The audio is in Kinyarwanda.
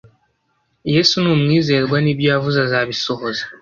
Yesu ni umwizerwa nibyo yavuze azabisohoza